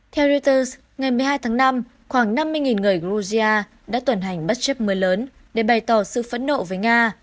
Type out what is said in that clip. theo reuters ngày một mươi hai tháng năm khoảng năm mươi người georgia đã tuần hành bất chấp mưa lớn để bày tỏ sự phẫn nộ với nga